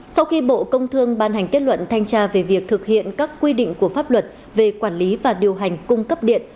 sau khi bộ công thương ban hành kết luận thanh tra về việc thực hiện các quy định của pháp luật về quản lý và điều hành cung cấp điện